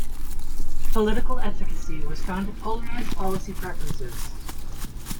Political efficacy was found to polarize policy preferences.